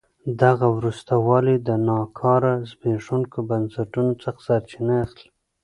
دغه وروسته والی د ناکاره زبېښونکو بنسټونو څخه سرچینه اخلي.